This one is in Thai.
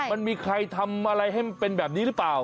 มันมีใครทำอะไรให้มันเป็นแบบนี้หรือเปล่า